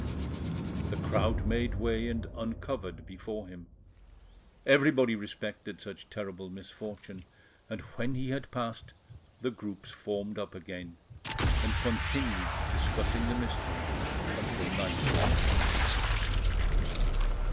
The crowd made way and uncovered before him, everybody respected such terrible misfortune, and when he had passed, the groups formed up again, and continued discussing the mystery until nightfall.